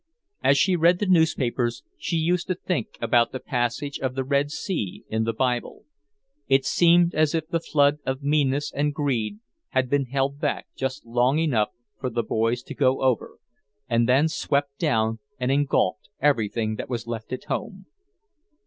As she read the newspapers, she used to think about the passage of the Red Sea, in the Bible; it seemed as if the flood of meanness and greed had been held back just long enough for the boys to go over, and then swept down and engulfed everything that was left at home.